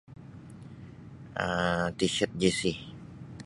um Tshirt jesi